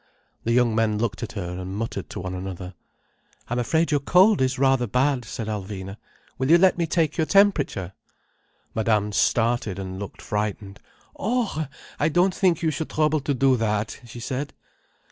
The young men looked at her, and muttered to one another. "I'm afraid your cold is rather bad," said Alvina. "Will you let me take your temperature?" Madame started and looked frightened. "Oh, I don't think you should trouble to do that," she said.